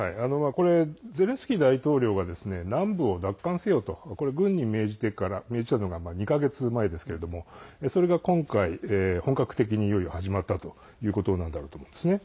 これ、ゼレンスキー大統領が南部を奪還せよと軍に命じたのが２か月前ですけれどもそれが今回、本格的にいよいよ始まったということなんだろうと思うんですね。